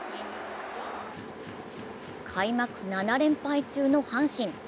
開幕７連敗中の阪神。